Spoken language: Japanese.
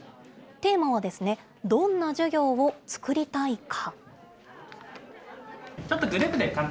テーマはですね、どんな授業を創りたいか。